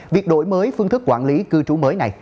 việc đổi mới phương thức quản lý cư trú mới này